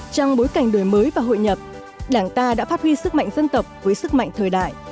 trong bối cảnh đổi mới và hội nhập đảng ta đã phát huy sức mạnh dân tộc với sức mạnh thời đại